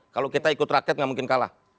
kalau kita ikut rakyat nggak mungkin kalah